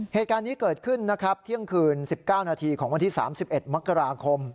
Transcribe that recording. เหตุการณ์นี้เกิดขึ้นนะครับเที่ยงคืน๑๙นาทีของวันที่๓๑มกราคม